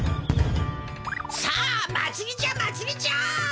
さあまつりじゃまつりじゃ！